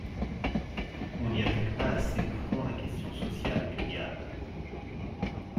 On n’y attaque pas assez de front la question sociale, que diable !…